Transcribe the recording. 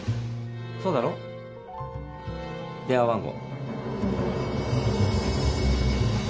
そうだろ？電話番号。